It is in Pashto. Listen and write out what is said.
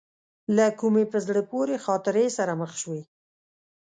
له کومې په زړه پورې خاطرې سره مخ شوې.